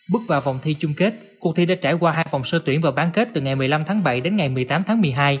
bước vào vòng thi chung kết cuộc thi đã trải qua hai vòng sơ tuyển và bán kết từ ngày một mươi năm tháng bảy đến ngày một mươi tám tháng một mươi hai